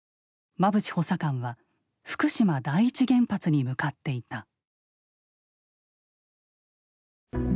馬淵補佐官は福島第一原発に向かっていた。